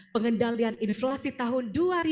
pengendalian inflasi tahun dua ribu dua puluh